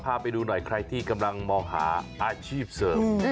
พาไปดูหน่อยใครที่กำลังมองหาอาชีพเสริม